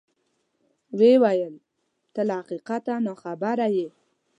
ویې ویل: ته له حقیقته ناخبره یې.